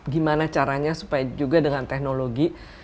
gimana caranya supaya juga dengan teknologi